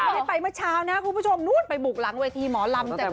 ได้ไปเมื่อเช้านะคุณผู้ชมไปบุกหลังเวทีหมอลำใจเกินร้อย